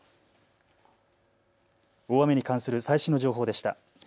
大雨に関する最新の情報でした。